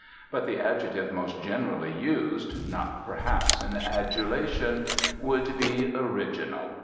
But the adjective most generally used (not perhaps in adulation) would be "original."